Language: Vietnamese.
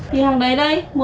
thì hàng đấy đây một một đây